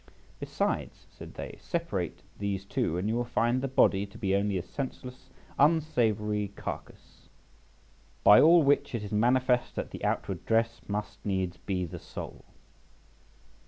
Besides, said they, separate these two, and you will find the body to be only a senseless unsavoury carcass. By all which it is manifest that the outward dress must needs be the soul.